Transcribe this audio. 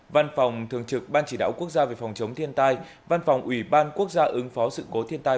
văn phòng thường trực ban chỉ đạo quốc gia về phòng chống thiên tai văn phòng ủy ban quốc gia ứng phó sự cố thiên tai